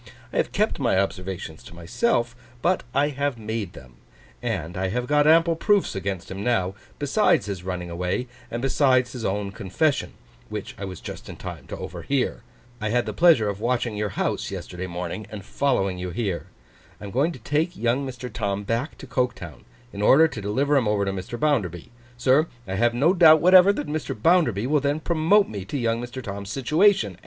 I have kept my observations to myself, but I have made them; and I have got ample proofs against him now, besides his running away, and besides his own confession, which I was just in time to overhear. I had the pleasure of watching your house yesterday morning, and following you here. I am going to take young Mr. Tom back to Coketown, in order to deliver him over to Mr. Bounderby. Sir, I have no doubt whatever that Mr. Bounderby will then promote me to young Mr. Tom's situation.